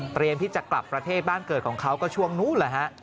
ที่จะกลับประเทศบ้านเกิดของเขาก็ช่วงนู้นแหละฮะ